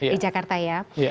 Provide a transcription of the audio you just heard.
di jakarta ya